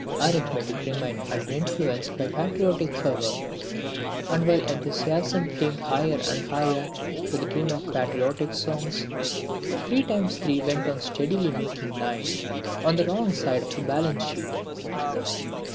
[Illustration: My Brother Jyotirindra] Arithmetic remained uninfluenced by patriotic fervour; and while enthusiasm flamed higher and higher to the tune of patriotic songs, three times three went on steadily making nine on the wrong side of the balance sheet.